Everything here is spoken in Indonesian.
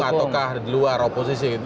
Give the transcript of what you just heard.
atau di luar oposisi